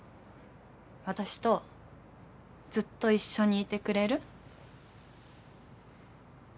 私とずっと一緒にいてくれる？